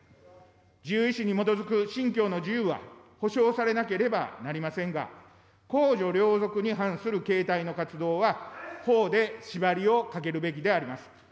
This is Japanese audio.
自由意志に基づく信教の自由は保障されなければなりませんが、公序良俗に反する形態の活動は法で縛りをかけるべきであります。